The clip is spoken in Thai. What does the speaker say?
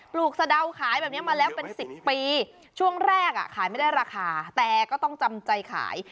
ลูกสะดาวขายแบบนี้มาแล้วเป็น๑๐ปีช่วงแรกอ่ะขายไม่ได้ราคาแต่ก็ต้องจำใจขาย